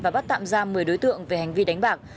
và bắt tạm giam một mươi đối tượng về hành vi đánh bạc